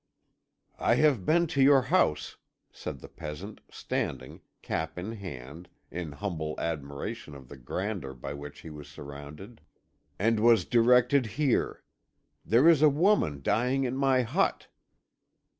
"I have been to your house," said the peasant, standing, cap in hand, in humble admiration of the grandeur by which he was surrounded, "and was directed here. There is a woman dying in my hut."